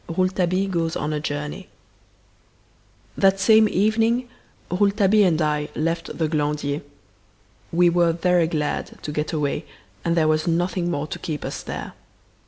Rouletabille Goes on a Journey That same evening Rouletabille and I left the Glandier. We were very glad to get away and there was nothing more to keep us there.